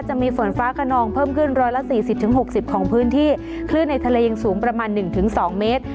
จะมีฝนฟ้าขนองเพิ่มขึ้นร้อยละสี่สิบถึงหกสิบของพื้นที่คลื่นในทะเลยังสูงประมาณหนึ่งถึงสองเมตร